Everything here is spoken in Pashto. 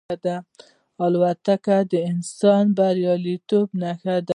الوتکه د انسان بریالیتوب ښيي.